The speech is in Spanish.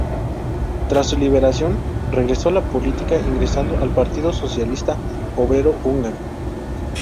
Tras su liberación, regresó a la política ingresando al Partido Socialista Obrero húngaro.